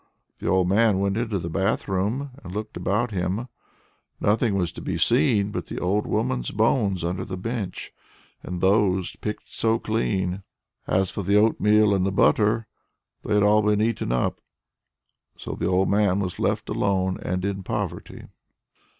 The old man went into the bath room and looked about him. Nothing was to be seen but the old woman's bones under the bench and those picked so clean! As for the oatmeal and the butter, they had all been eaten up. So the old man was left alone and in poverty.